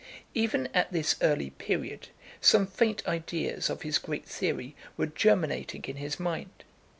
Even at this early period some faint ideas of his great theory were germinating in his mind.